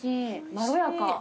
まろやか。